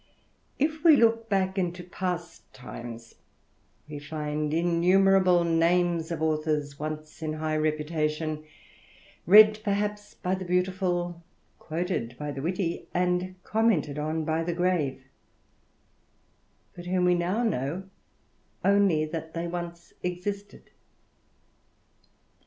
If we 1( back into past times, we find innumerable names ofautb once in higli reputation, read perhaps by the beauti quoted by the witty, and commented on by the grave of whom we now know only that they once existed.